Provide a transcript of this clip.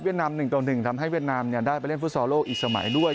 เวียดนาม๑๑ทำให้เวียดนามแน่นปะเล่นฟุตสอร์ฟโลกอีกสมัยด้วย